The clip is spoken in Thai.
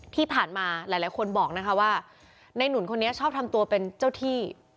ที่ผ่านมาหลายคนบอกนะคะว่าในหนุนคนนี้ชอบทำตัวเป็นเจ้าที่